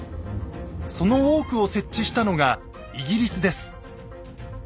その多くを設置したのがイギリスです。